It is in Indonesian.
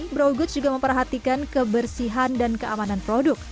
brow goods juga memperhatikan kebersihan dan keamanan produk